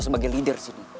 sebagai leader sini